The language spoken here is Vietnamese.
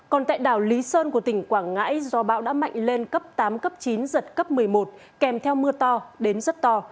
còn tại đảo lý sơn của tỉnh quảng ngãi do bão đã mạnh lên cấp tám cấp chín giật cấp một mươi một kèm theo mưa to đến rất to